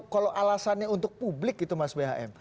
kalau alasannya untuk publik itu mas bhm